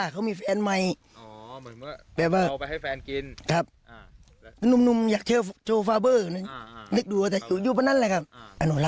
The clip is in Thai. ใช่ครับอาจจะหูแว่ว